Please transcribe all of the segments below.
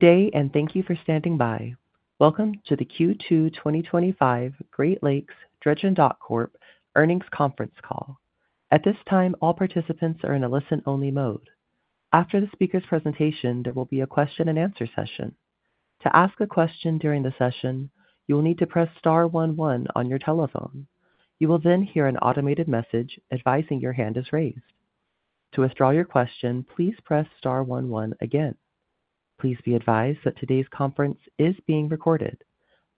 Today, and thank you for standing by, welcome to the Q2 2025 Great Lakes Dredge & Dock Corp Earnings Conference Call. At this time, all participants are in a listen-only mode. After the speaker's presentation, there will be a question and answer session. To ask a question during the session, you will need to press star one one on your telephone. You will then hear an automated message advising your hand is raised. To withdraw your question, please press star one one again. Please be advised that today's conference is being recorded.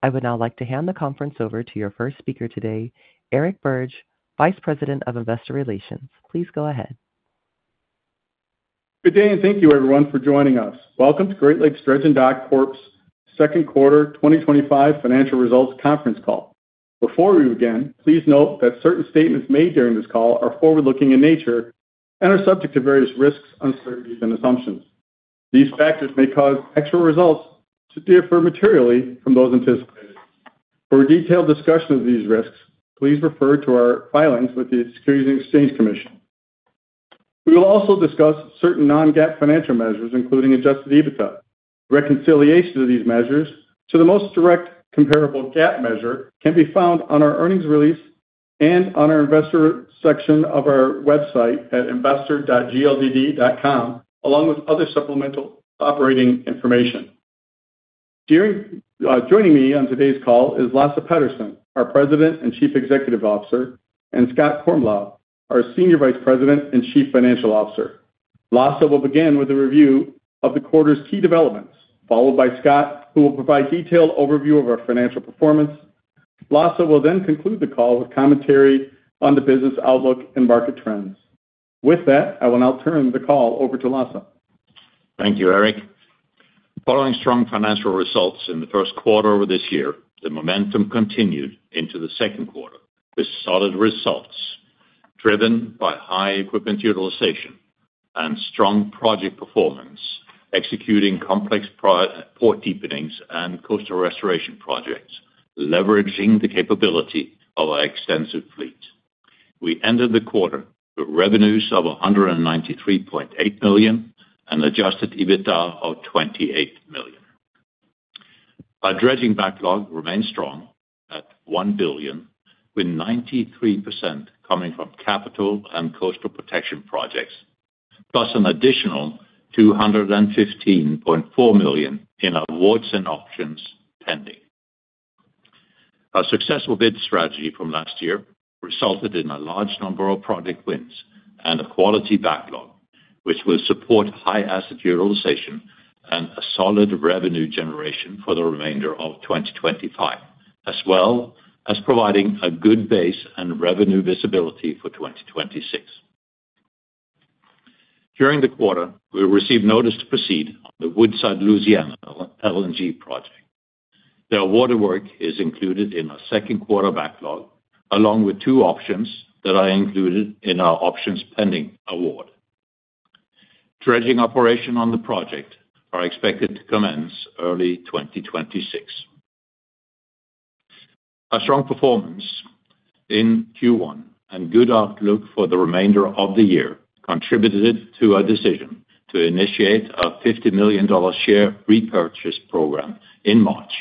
I would now like to hand the conference over to your first speaker today, Eric Birge, Vice President of Investor Relations. Please go ahead. Good day and thank you, everyone, for joining us. Welcome to Great Lakes Dredge & Dock Corp's Second Quarter 2025 Financial Results Conference Call. Before we begin, please note that certain statements made during this call are forward-looking in nature and are subject to various risks, uncertainties, and assumptions. These factors may cause actual results to differ materially from those anticipated. For a detailed discussion of these risks, please refer to our filings with the Securities and Exchange Commission. We will also discuss certain non-GAAP financial measures, including adjusted EBITDA. Reconciliation of these measures to the most direct comparable GAAP measure can be found on our earnings release and on the Investor Section of our website at investor.gldd.com, along with other supplemental operating information. Joining me on today's call is Lasse Petterson, our President and Chief Executive Officer, and Scott Kornblau, our Senior Vice President and Chief Financial Officer. Lasse will begin with a review of the quarter's key developments, followed by Scott, who will provide a detailed overview of our financial performance. Lasse will then conclude the call with commentary on the business outlook and market trends. With that, I will now turn the call over to Lasse. Thank you, Eric. Following strong financial results in the first quarter of this year, the momentum continued into the second quarter with solid results driven by high equipment utilization and strong project performance, executing complex port deepenings and coastal restoration projects, leveraging the capability of our extensive fleet. We ended the quarter with revenues of $193.8 million and an adjusted EBITDA of $28 million. Our dredging backlog remains strong at $1 billion, with 93% coming from capital and coastal protection projects, plus an additional $215.4 million in awards and auctions pending. Our successful bid strategy from last year resulted in a large number of project wins and a quality backlog, which will support high asset utilization and a solid revenue generation for the remainder of 2025, as well as providing a good base and revenue visibility for 2026. During the quarter, we received notice to proceed with the Woodside, Louisiana LNG project. The award work is included in our second quarter backlog, along with two auctions that are included in our auctions pending award. Dredging operations on the project are expected to commence early 2026. Our strong performance in Q1 and good outlook for the remainder of the year contributed to our decision to initiate our $50 million share repurchase program in March,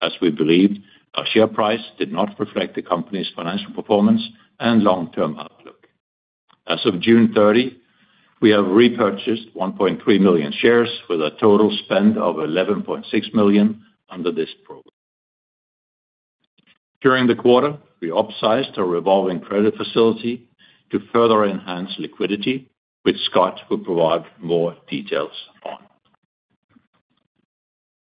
as we believed our share price did not reflect the company's financial performance and long-term outlook. As of June 30, we have repurchased 1.3 million shares with a total spend of $11.6 million under this program. During the quarter, we upsized our revolving credit facility to further enhance liquidity, which Scott will provide more details on.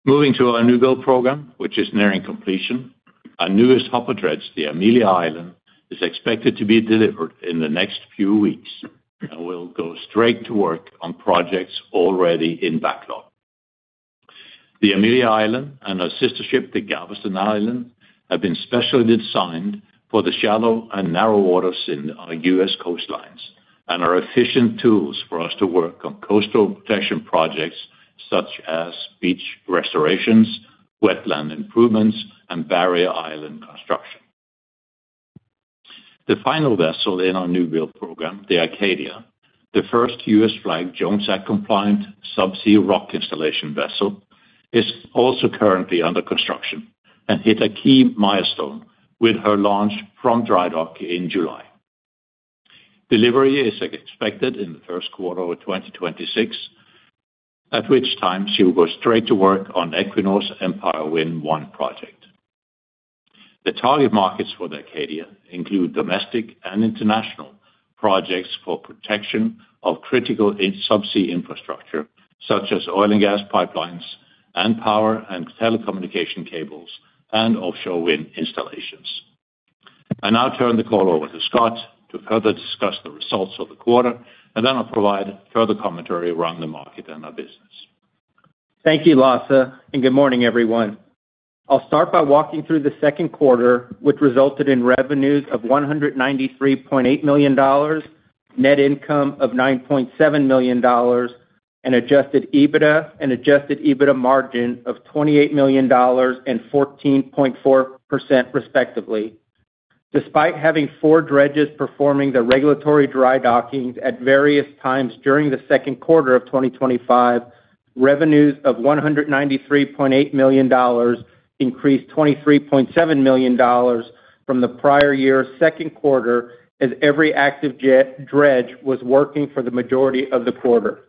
Moving to our new build program, which is nearing completion, our newest hopper dredge, the Amelia Island, is expected to be delivered in the next few weeks and will go straight to work on projects already in backlog. The Amelia Island and her sister ship, the Galveston Island, have been specially designed for the shallow and narrow waters in our U.S. coastlines and are efficient tools for us to work on coastal protection projects such as beach restorations, wetland improvements, and barrier island construction. The final vessel in our new build program, the Acadia, the first U.S.-flagged Jones Act-compliant subsea rock installation vessel, is also currently under construction and hit a key milestone with her launch from drydock in July. Delivery is expected in the first quarter of 2026, at which time she will go straight to work on the Equinor Empire Wind I project. The target markets for the Acadia include domestic and international projects for protection of critical subsea infrastructure such as oil and gas pipelines, power and telecommunication cables, and offshore wind installations. I now turn the call over to Scott to further discuss the results of the quarter, and then I'll provide further commentary around the market and our business. Thank you, Lasse, and good morning, everyone. I'll start by walking through the second quarter, which resulted in revenues of $193.8 million, net income of $9.7 million, and adjusted EBITDA and adjusted EBITDA margin of $28 million and 14.4% respectively. Despite having four dredges performing the regulatory drydockings at various times during the second quarter of 2025, revenues of $193.8 million increased $23.7 million from the prior year's second quarter, as every active dredge was working for the majority of the quarter.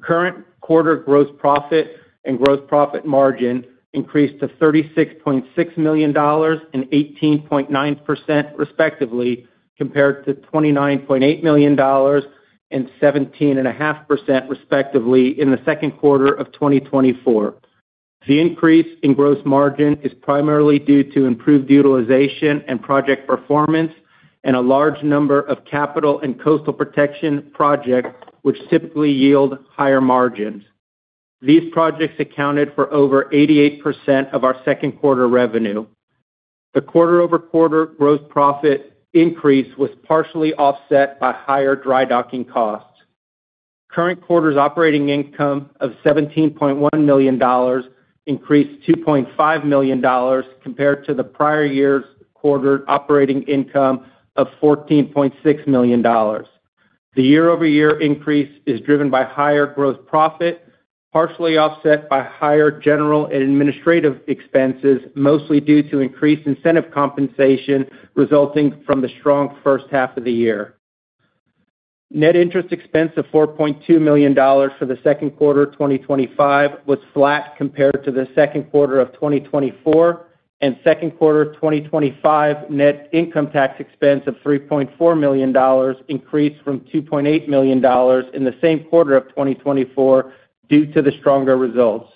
Current quarter gross profit and gross profit margin increased to $36.6 million and 18.9% respectively, compared to $29.8 million and 17.5% respectively in the second quarter of 2024. The increase in gross margin is primarily due to improved utilization and project performance and a large number of capital and coastal protection projects, which typically yield higher margins. These projects accounted for over 88% of our second quarter revenue. The quarter-over-quarter gross profit increase was partially offset by higher drydocking costs. Current quarter's operating income of $17.1 million increased $2.5 million compared to the prior year's quarter operating income of $14.6 million. The year-over-year increase is driven by higher gross profit, partially offset by higher general and administrative expenses, mostly due to increased incentive compensation resulting from the strong first half of the year. Net interest expense of $4.2 million for the second quarter of 2025 was flat compared to the second quarter of 2024, and second quarter 2025 net income tax expense of $3.4 million increased from $2.8 million in the same quarter of 2024 due to the stronger results.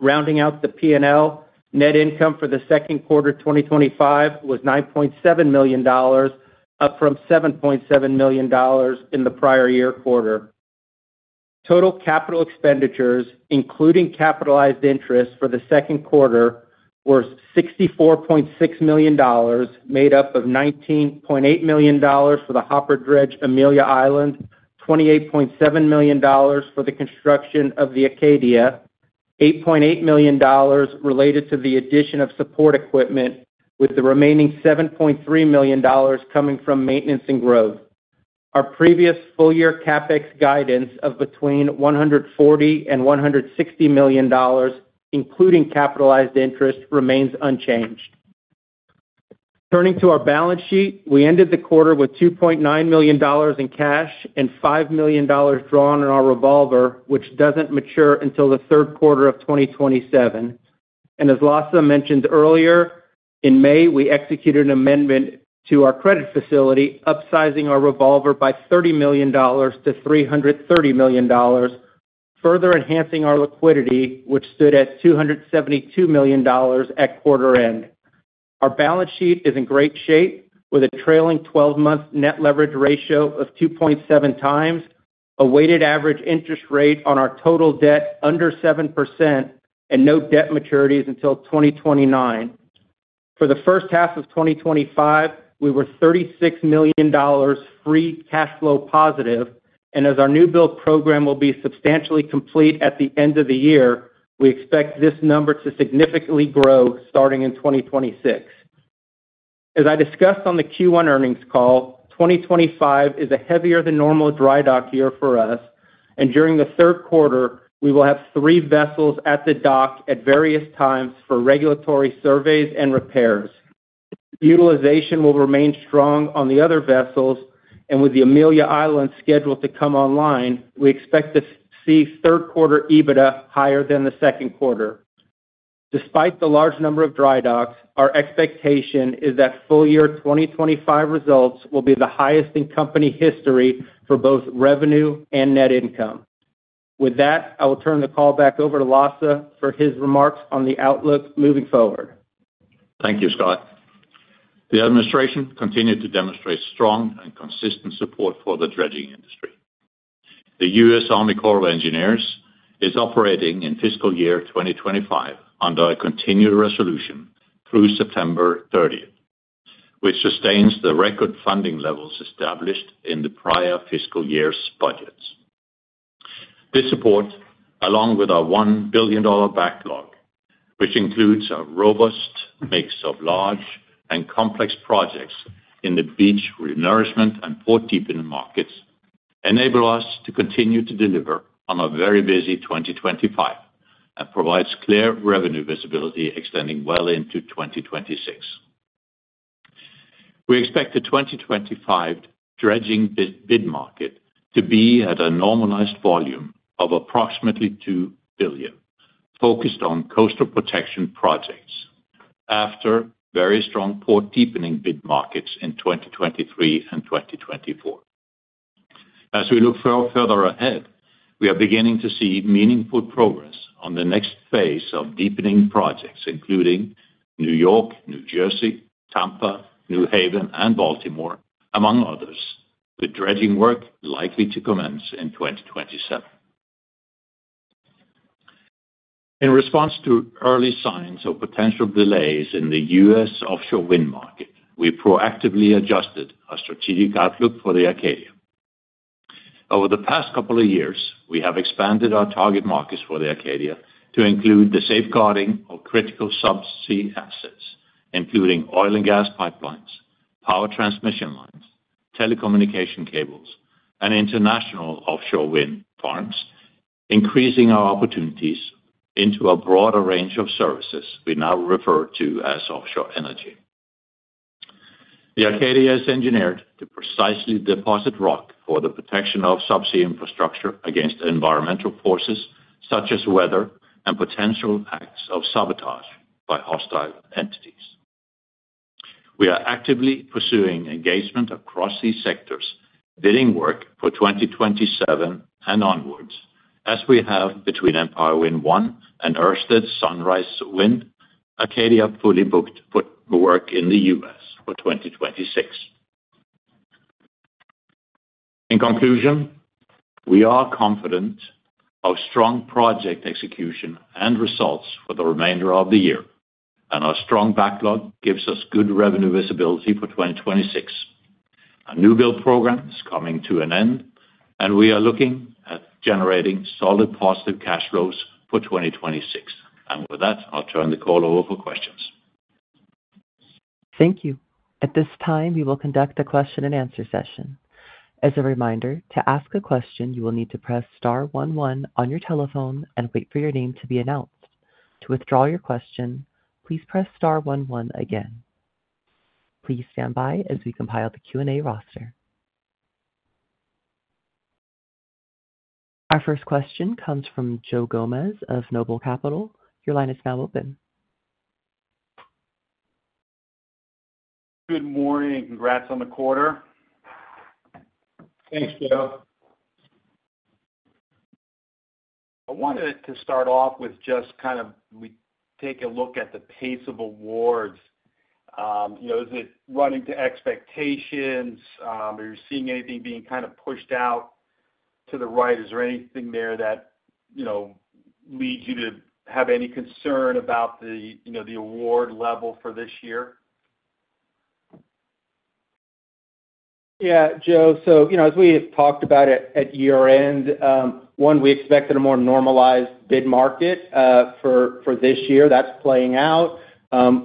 Rounding out the P&L, net income for the second quarter of 2025 was $9.7 million, up from $7.7 million in the prior year quarter. Total capital expenditures, including capitalized interest for the second quarter, were $64.6 million, made up of $19.8 million for the hopper dredge, Amelia Island, $28.7 million for the construction of the Acadia, $8.8 million related to the addition of support equipment, with the remaining $7.3 million coming from maintenance and growth. Our previous full-year CapEx guidance of between $140 million and $160 million, including capitalized interest, remains unchanged. Turning to our balance sheet, we ended the quarter with $2.9 million in cash and $5 million drawn in our revolver, which doesn't mature until the third quarter of 2027. As Lasse mentioned earlier, in May, we executed an amendment to our credit facility, upsizing our revolver by $30 million to $330 million, further enhancing our liquidity, which stood at $272 million at quarter end. Our balance sheet is in great shape, with a trailing 12-month net leverage ratio of 2.7x, a weighted average interest rate on our total debt under 7%, and no debt maturities until 2029. For the first half of 2025, we were $36 million free cash flow positive, and as our new build program will be substantially complete at the end of the year, we expect this number to significantly grow starting in 2026. As I discussed on the Q1 Earnings Call, 2025 is a heavier than normal drydock year for us, and during the third quarter, we will have three vessels at the dock at various times for regulatory surveys and repairs. Utilization will remain strong on the other vessels, and with the Amelia Island scheduled to come online, we expect to see third quarter EBITDA higher than the second quarter. Despite the large number of drydocks, our expectation is that full-year 2025 results will be the highest in company history for both revenue and net income. With that, I will turn the call back over to Lasse for his remarks on the outlook moving forward. Thank you, Scott. The administration continues to demonstrate strong and consistent support for the dredging industry. The U.S. Army Corps of Engineers is operating in fiscal year 2025 under a continued resolution through September 30, which sustains the record funding levels established in the prior fiscal year's budgets. This support, along with our $1 billion backlog, which includes a robust mix of large and complex projects in the beach renourishment and port deepening markets, enables us to continue to deliver on a very busy 2025 and provides clear revenue visibility extending well into 2026. We expect the 2025 dredging bid market to be at a normalized volume of approximately $2 billion, focused on coastal protection projects after very strong port deepening bid markets in 2023 and 2024. As we look further ahead, we are beginning to see meaningful progress on the next phase of deepening projects, including New York, New Jersey, Tampa, New Haven, and Baltimore, among others, with dredging work likely to commence in 2027. In response to early signs of potential delays in the U.S. offshore wind market, we proactively adjusted our strategic outlook for the Acadia. Over the past couple of years, we have expanded our target markets for the Acadia to include the safeguarding of critical subsea assets, including oil and gas pipelines, power transmission lines, telecommunication cables, and international offshore wind farms, increasing our opportunities into a broader range of services we now refer to as offshore energy. The Acadia is engineered to precisely deposit rock for the protection of subsea infrastructure against environmental forces such as weather and potential acts of sabotage by hostile entities. We are actively pursuing engagement across these sectors, bidding work for 2027 and onwards, as we have between Empire Wind I and Ørsted Sunrise Wind Acadia fully booked for work in the U.S. for 2026. In conclusion, we are confident of strong project execution and results for the remainder of the year, and our strong backlog gives us good revenue visibility for 2026. Our new build program is coming to an end, and we are looking at generating solid positive cash flows for 2026. With that, I'll turn the call over for questions. Thank you. At this time, we will conduct a question-and-answer session. As a reminder, to ask a question, you will need to press star one one on your telephone and wait for your name to be announced. To withdraw your question, please press star one one again. Please stand by as we compile the Q&A roster. Our first question comes from Joe Gomes of NOBLE Capital. Your line is now open. Good morning. Congrats on the quarter. Thanks, Joe. I wanted to start off with just kind of taking a look at the pace of awards. Is it running to expectations? Are you seeing anything being kind of pushed out to the right? Is there anything there that leads you to have any concern about the award level for this year? Yeah, Joe. As we have talked about at year-end, one, we expected a more normalized bid market for this year. That's playing out.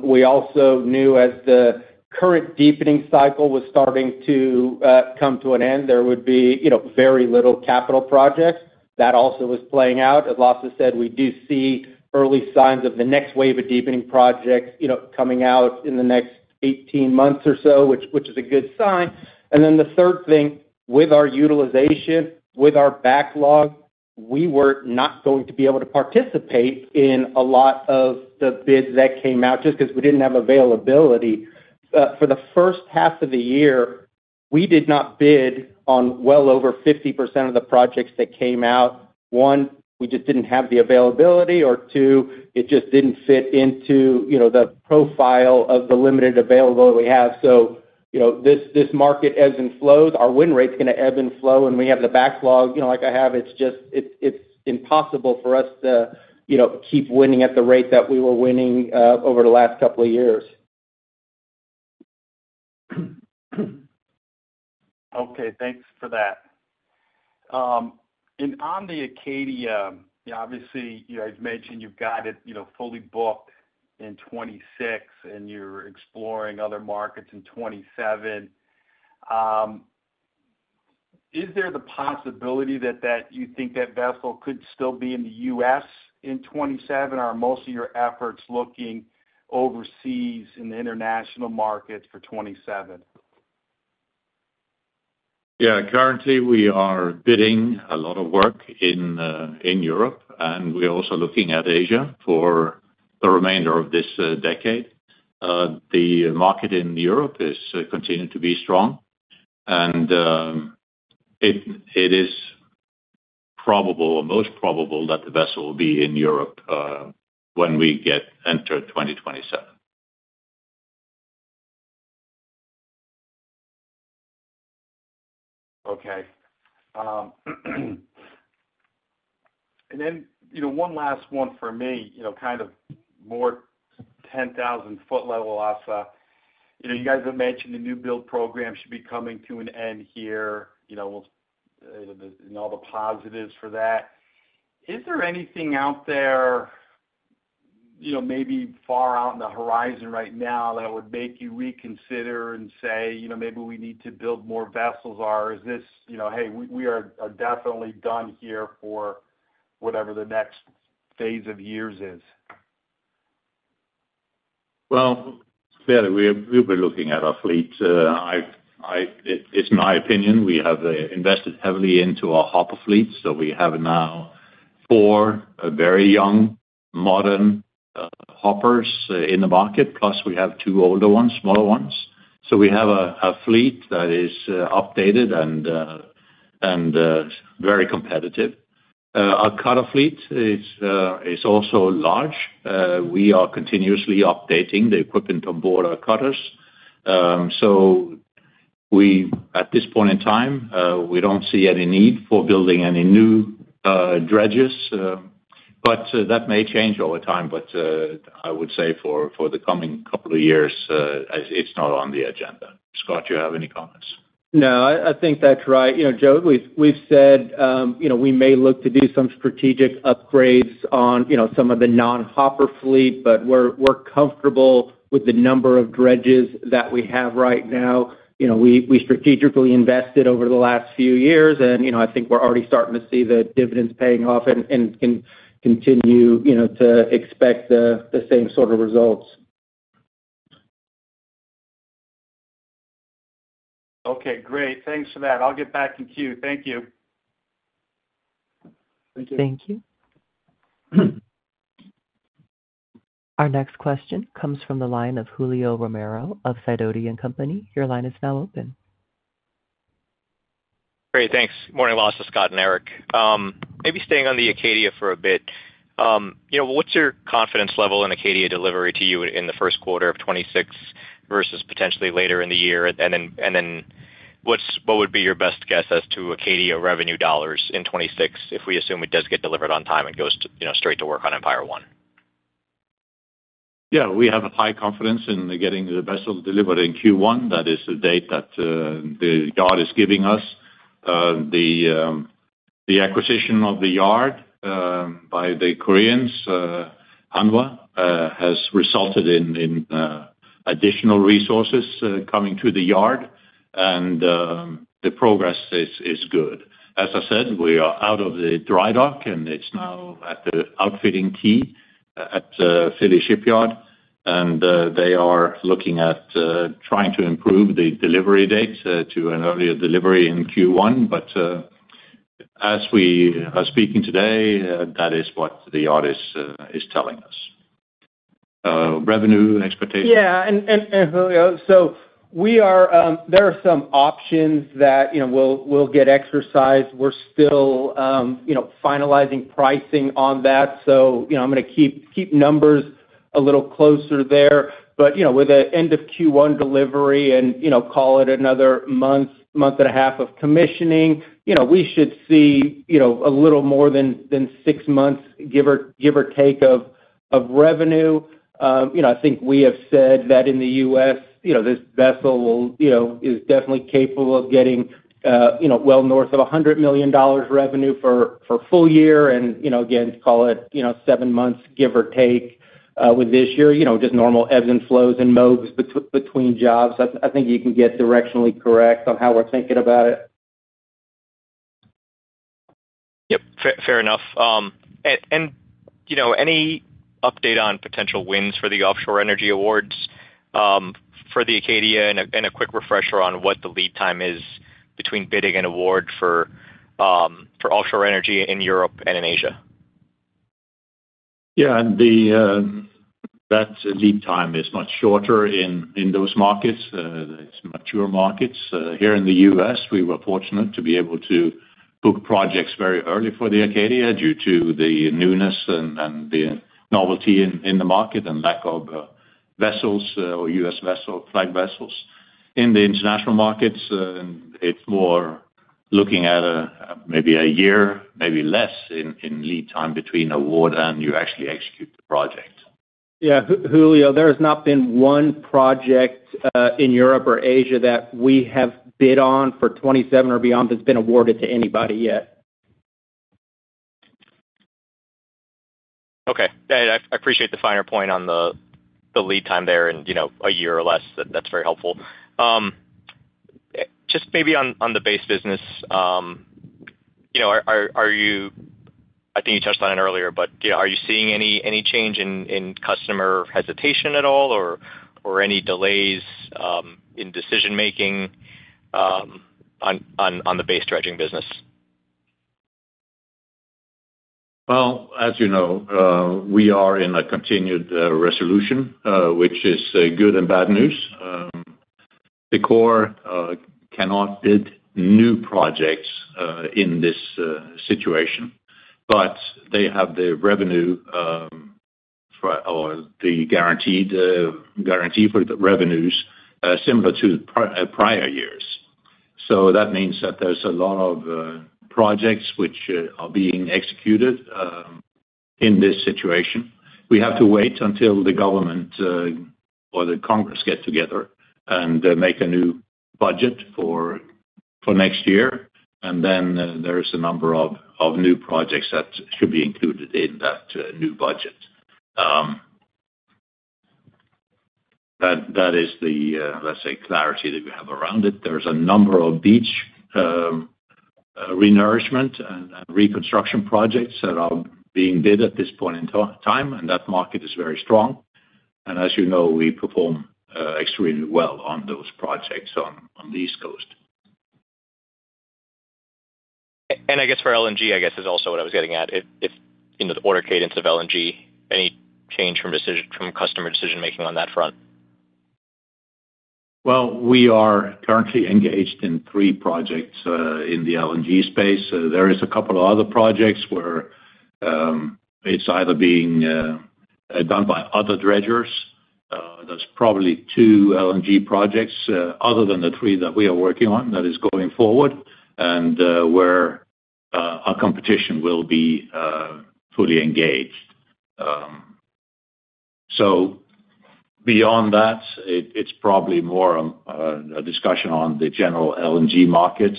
We also knew as the current deepening cycle was starting to come to an end, there would be very little capital projects. That also was playing out. As Lasse said, we do see early signs of the next wave of deepening projects coming out in the next 18 months or so, which is a good sign. The third thing, with our utilization, with our backlog, we were not going to be able to participate in a lot of the bids that came out just because we didn't have availability. For the first half of the year, we did not bid on well over 50% of the projects that came out. One, we just didn't have the availability, or two, it just didn't fit into the profile of the limited available that we have. This market ebbs and flows. Our win rate is going to ebb and flow, and we have the backlog like I have. It's just impossible for us to keep winning at the rate that we were winning over the last couple of years. Okay, thanks for that. On the Acadia, obviously, I've mentioned you've got it fully booked in 2026, and you're exploring other markets in 2027. Is there the possibility that you think that vessel could still be in the U.S. in 2027, or are most of your efforts looking overseas in the international markets for 2027? Yeah, I guarantee we are bidding a lot of work in Europe, and we are also looking at Asia for the remainder of this decade. The market in Europe is continuing to be strong, and it is probable, or most probable, that the vessel will be in Europe when we enter 2027. Okay. One last one for me, kind of more 10,000 ft level, Lasse. You guys have mentioned the new build program should be coming to an end here, and all the positives for that. Is there anything out there, maybe far out in the horizon right now that would make you reconsider and say, maybe we need to build more vessels, or is this, hey, we are definitely done here for whatever the next phase of years is? We've been looking at our fleet. It's my opinion, we have invested heavily into our hopper fleet. We have now four very young, modern hoppers in the market, plus we have two older ones, smaller ones. We have a fleet that is updated and very competitive. Our cutter fleet is also large. We are continuously updating the equipment on board our cutters. At this point in time, we don't see any need for building any new dredges, but that may change over time. I would say for the coming couple of years, it's not on the agenda. Scott, do you have any comments? No, I think that's right. You know, Joe, we've said we may look to do some strategic upgrades on some of the non-hopper fleet, but we're comfortable with the number of dredges that we have right now. We strategically invested over the last few years, and I think we're already starting to see the dividends paying off and can continue to expect the same sort of results. Okay, great. Thanks for that. I'll get back in queue. Thank you. Thank you. Our next question comes from the line of Julio Romero of Sidoti & Company. Your line is now open. Great, thanks. Good morning, Lasse, Scott, and Eric. Maybe staying on the Acadia for a bit, what's your confidence level in Acadia delivery to you in the first quarter of 2026 versus potentially later in the year? What would be your best guess as to Acadia revenue dollars in 2026 if we assume it does get delivered on time and goes straight to work on Empire Wind I? Yeah, we have a high confidence in getting the vessel delivered in Q1. That is the date that the yard is giving us. The acquisition of the yard by the Koreans, Hanwa, has resulted in additional resources coming to the yard, and the progress is good. As I said, we are out of the drydock, and it's now at the outfitting team at Philly Shipyard, and they are looking at trying to improve the delivery dates to an earlier delivery in Q1. As we are speaking today, that is what the yard is telling us. Revenue expectation? Yeah, Julio, there are some options that will get exercised. We're still finalizing pricing on that. I'm going to keep numbers a little closer there. With the end of Q1 delivery and, call it another month, month and a half of commissioning, we should see a little more than six months, give or take, of revenue. I think we have said that in the U.S., this vessel is definitely capable of getting well north of $100 million revenue for a full year. Again, call it seven months, give or take, with this year, just normal ebbs and flows and moves between jobs. I think you can get directionally correct on how we're thinking about it. Fair enough. Any update on potential wins for the Offshore Energy Awards for the Acadia, and a quick refresher on what the lead time is between bidding and award for offshore energy in Europe and in Asia? Yeah, and that lead time is much shorter in those markets. It's much fewer markets. Here in the U.S., we were fortunate to be able to book projects very early for the Acadia due to the newness and the novelty in the market and lack of vessels or U.S.-flagged vessels in the international markets. It's more looking at maybe a year, maybe less in lead time between award and you actually execute the project. Yeah, Julio, there has not been one project in Europe or Asia that we have bid on for 2027 or beyond that's been awarded to anybody yet. Okay. I appreciate the finer point on the lead time there and, you know, a year or less. That's very helpful. Just maybe on the base business, you know, are you, I think you touched on it earlier, but you know, are you seeing any change in customer hesitation at all or any delays in decision-making on the base dredging business? As you know, we are in a continued resolution, which is good and bad news. The Corps cannot bid new projects in this situation, but they have the revenue or the guaranteed revenues similar to the prior years. That means that there's a lot of projects which are being executed in this situation. We have to wait until the government or the Congress get together and make a new budget for next year. There is a number of new projects that should be included in that new budget. That is the clarity that we have around it. There's a number of beach renourishment and reconstruction projects that are being bid at this point in time, and that market is very strong. As you know, we perform extremely well on those projects on the East Coast. For LNG, I guess is also what I was getting at. If the order cadence of LNG, any change from customer decision-making on that front? We are currently engaged in three projects in the LNG space. There are a couple of other projects where it's either being done by other dredgers. There's probably two LNG projects other than the three that we are working on that are going forward and where our competition will be fully engaged. Beyond that, it's probably more a discussion on the general LNG market.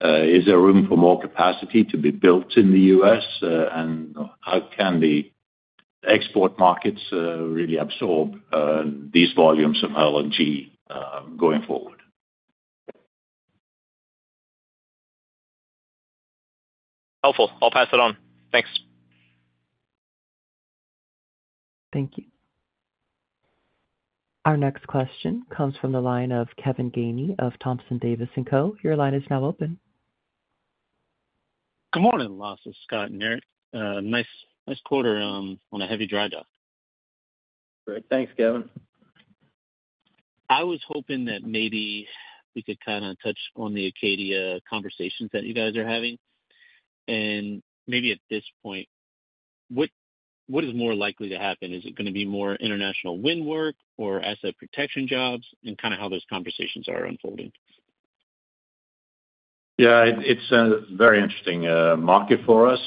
Is there room for more capacity to be built in the U.S., and how can the export markets really absorb these volumes of LNG going forward? Helpful. I'll pass it on. Thanks. Thank you. Our next question comes from the line of Kevin Gainey of Thompson Davis & Co. Your line is now open. Good morning, Lasse, Scott, and Eric. Nice quarter on a heavy drydock. Thanks, Kevin. I was hoping that maybe we could kind of touch on the Acadia conversations that you guys are having. At this point, what is more likely to happen? Is it going to be more international wind work or asset protection jobs, and kind of how those conversations are unfolding? Yeah, it's a very interesting market for us.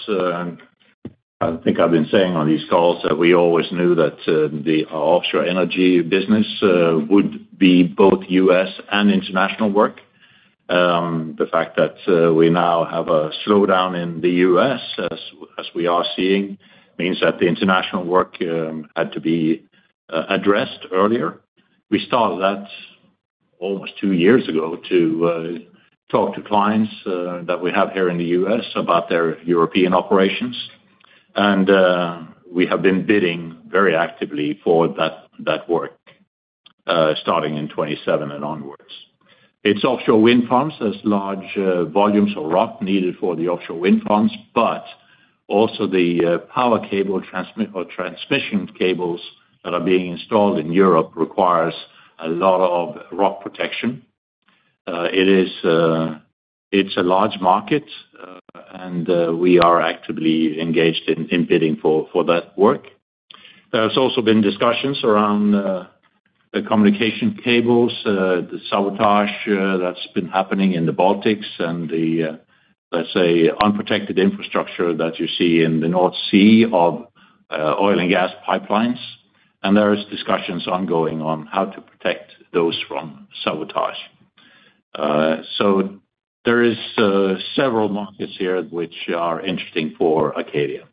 I think I've been saying on these calls that we always knew that the offshore energy business would be both U.S. and international work. The fact that we now have a slowdown in the U.S., as we are seeing, means that the international work had to be addressed earlier. We started that almost two years ago to talk to clients that we have here in the U.S. about their European operations. We have been bidding very actively for that work starting in 2027 and onwards. It's offshore wind farms as large volumes of rock needed for the offshore wind farms, but also the power cable or transmission cables that are being installed in Europe require a lot of rock protection. It's a large market, and we are actively engaged in bidding for that work. There have also been discussions around the communication cables, the sabotage that's been happening in the Baltics, and the, let's say, unprotected infrastructure that you see in the North Sea of oil and gas pipelines. There are discussions ongoing on how to protect those from sabotage. There are several markets here which are interesting for Acadia.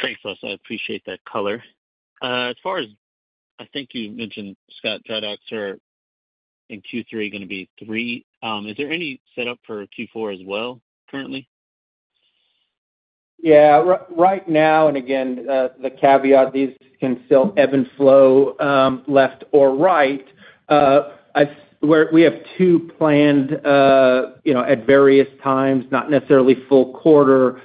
Thanks, Lasse. I appreciate that color. As far as I think you mentioned, Scott, drydocks are in Q3 going to be three. Is there any setup for Q4 as well currently? Right now, and again, the caveat, these can still ebb and flow left or right. We have two planned at various times, not necessarily full quarter,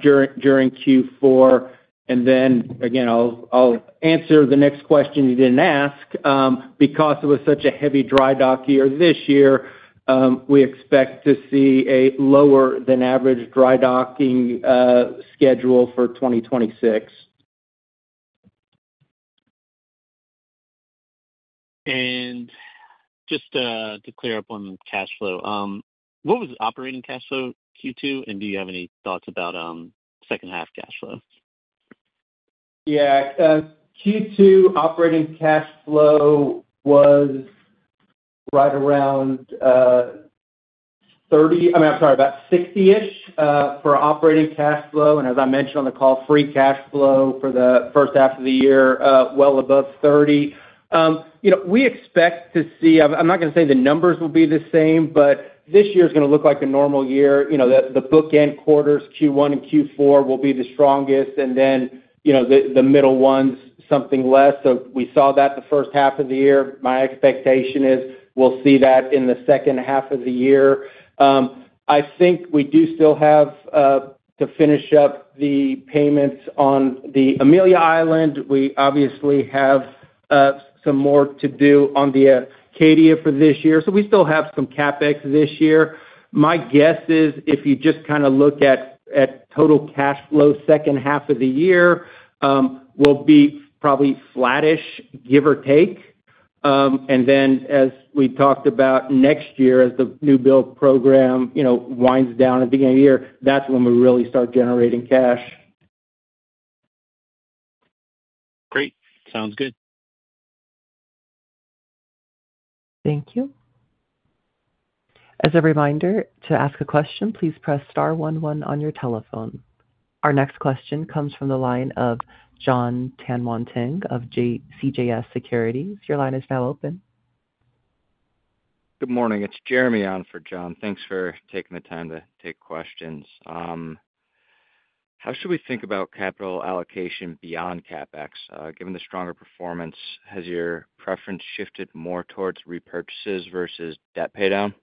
during Q4. I'll answer the next question you didn't ask. Because it was such a heavy drydock year this year, we expect to see a lower-than-average drydock schedule for 2026. To clear up on cash flow, what was the operating cash flow Q2, and do you have any thoughts about second half cash flow? Yeah, Q2 operating cash flow was right around $30 million. I'm sorry, about $60 million for operating cash flow. As I mentioned on the call, free cash flow for the first half of the year, well above $30 million. We expect to see, I'm not going to say the numbers will be the same, but this year is going to look like a normal year. The bookend quarters, Q1 and Q4, will be the strongest, and the middle ones, something less. We saw that the first half of the year. My expectation is we'll see that in the second half of the year. I think we do still have to finish up the payments on the Amelia Island. We obviously have some more to do on the Acadia for this year. We still have some CapEx this year. My guess is if you just kind of look at total cash flow second half of the year, we'll be probably flattish, give or take. As we talked about next year, as the new build program winds down at the beginning of the year, that's when we really start generating cash. Great. Sounds good. Thank you. As a reminder, to ask a question, please press star one one on your telephone. Our next question comes from the line of Jon Tanwanteng of CJS Securities. Your line is now open. Good morning. It's Jeremy on for John. Thanks for taking the time to take questions. How should we think about capital allocation beyond CapEx? Given the stronger performance, has your preference shifted more towards repurchases versus debt paydown?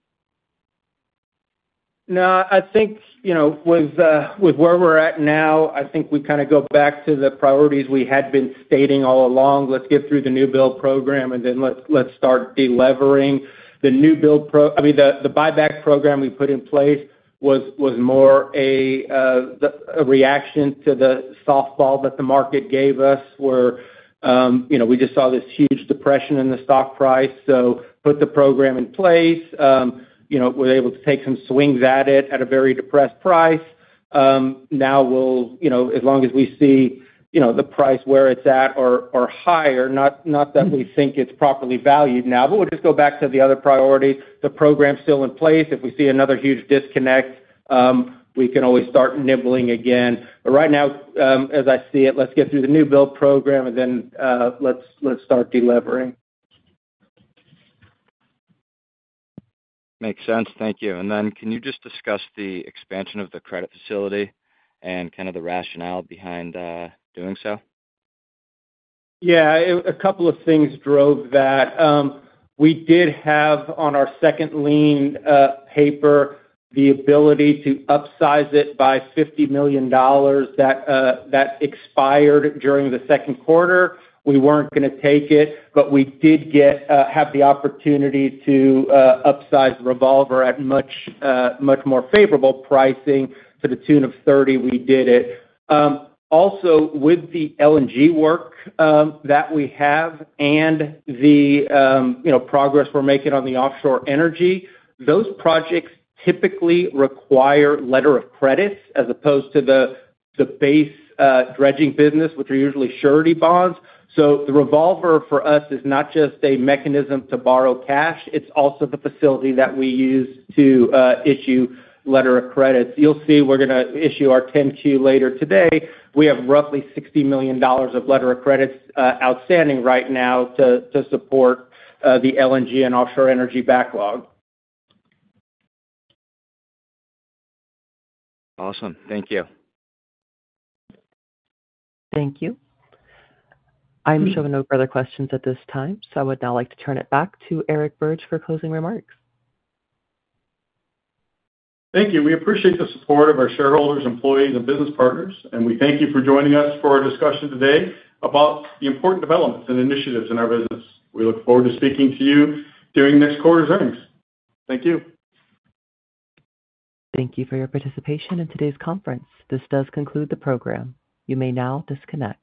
No, I think with where we're at now, I think we kind of go back to the priorities we had been stating all along. Let's get through the new build program and then let's start delivering the new build program. I mean, the buyback program we put in place was more a reaction to the softball that the market gave us where we just saw this huge depression in the stock price. We put the program in place. We were able to take some swings at it at a very depressed price. Now, as long as we see the price where it's at or higher, not that we think it's properly valued now, we'll just go back to the other priority. The program's still in place. If we see another huge disconnect, we can always start nibbling again. Right now, as I see it, let's get through the new build program and then let's start delivering. Makes sense. Thank you. Can you just discuss the expansion of the revolving credit facility and the rationale behind doing so? Yeah, a couple of things drove that. We did have on our second lien paper the ability to upsize it by $50 million that expired during the second quarter. We weren't going to take it, but we did have the opportunity to upsize the revolver at much, much more favorable pricing to the tune of $30 million. We did it. Also, with the LNG work that we have and the progress we're making on the offshore energy, those projects typically require letters of credit as opposed to the base dredging business, which are usually surety bonds. The revolver for us is not just a mechanism to borrow cash. It's also the facility that we use to issue letters of credit. You'll see we're going to issue our 10Q later today. We have roughly $60 million of letters of credit outstanding right now to support the LNG and offshore energy backlog. Awesome. Thank you. Thank you. I'm showing no further questions at this time, so I would now like to turn it back to Eric Birge for closing remarks. Thank you. We appreciate the support of our shareholders, employees, and business partners, and we thank you for joining us for our discussion today about the important developments and initiatives in our business. We look forward to speaking to you during next quarter's earnings. Thank you. Thank you for your participation in today's conference. This does conclude the program. You may now disconnect.